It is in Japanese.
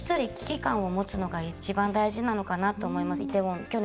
一人一人危機感を持つのが大事なのかなと思います。